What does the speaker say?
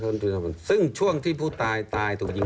จับค่อยเชิงวัดระนองกลับถึงบ้านประมาณกี่โมง